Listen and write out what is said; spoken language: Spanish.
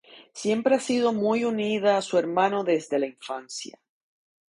Siempre ha sido muy unida a su hermano desde la infancia.